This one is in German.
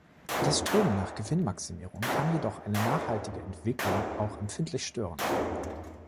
Das Streben nach Gewinnmaximierung kann jedoch eine nachhaltige Entwicklung auch empfindlich stören.